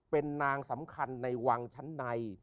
เป็นนางสำคัญในวังชั้นใน